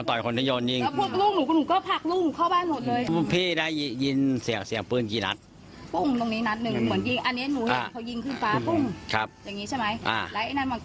ไอ้นั้นมันก็สู้เขาเพราะมันปีนปืนใช่ไหม